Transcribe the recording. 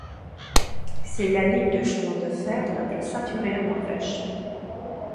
C'est la ligne de chemin de fer la plus saturée en Norvège.